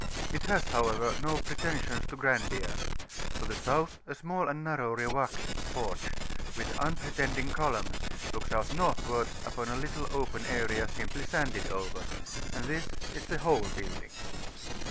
It has, however, no preten[s]ions to grandeur. To the South a small and narrow Riwak (porch), with unpretending columns, looks out Northwards upon a little open area simply sanded over; and this is the whole building.